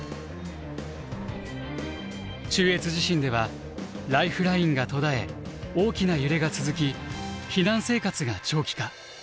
中越地震ではライフラインが途絶え大きな揺れが続き避難生活が長期化。